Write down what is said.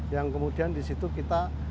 yang kemudian disitu kita